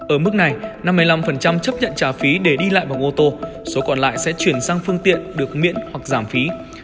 ở mức này năm mươi năm chấp nhận trả phí để đi lại bằng ô tô số còn lại sẽ chuyển sang phương tiện được miễn hoặc giảm phí